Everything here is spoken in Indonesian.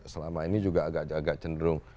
selama ini juga agak agak cenderung